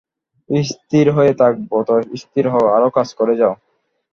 স্থির হয়ে থাক, বত্স! স্থির হও, আর কাজ করে যাও।